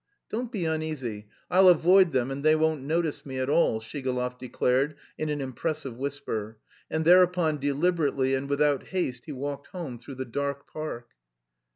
"Don't be uneasy, I'll avoid them and they won't notice me at all," Shigalov declared in an impressive whisper; and thereupon deliberately and without haste he walked home through the dark park.